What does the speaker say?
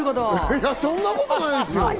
そんなことないですよ。